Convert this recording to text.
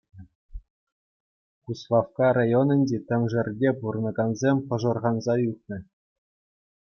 Куславкка районӗнчи Тӗмшерте пурӑнакансем пӑшарханса ӳкнӗ.